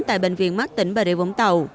tại bệnh viện mắc tỉnh bà rịa vũng tàu